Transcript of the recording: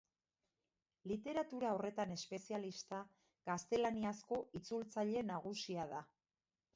Literatura horretan espezialista, gaztelaniazko itzultzaile nagusia da.